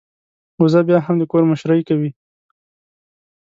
وزه بيا هم د کور مشرۍ کوي.